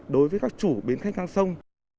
đối với các chủ bến khách ngang sông